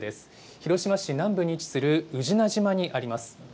広島市南部に位置する宇品島にあります。